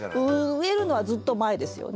植えるのはずっと前ですよね。